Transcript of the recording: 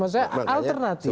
maksud saya alternatif